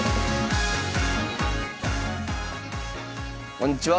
こんにちは。